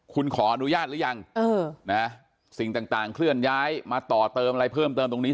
คุณขออนุญาตหรือยังสิ่งต่างเคลื่อนย้ายมาต่อเติมอะไรเพิ่มเติมตรงนี้